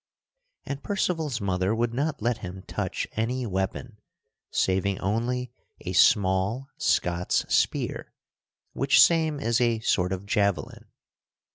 And Percival's mother would not let him touch any weapon saving only a small Scot's spear which same is a sort of javelin.